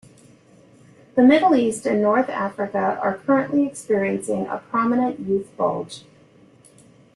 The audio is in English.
The Middle East and North Africa are currently experiencing a prominent youth bulge.